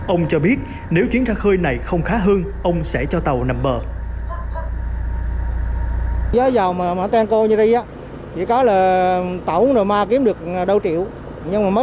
ông cho biết nếu chuyến ra khơi này không khá hơn ông sẽ cho tàu nằm bờ